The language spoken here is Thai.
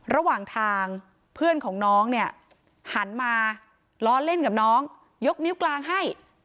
ระหว่างทางเพื่อนของน้องเนี่ยหันมาล้อเล่นกับน้องยกนิ้วกลางให้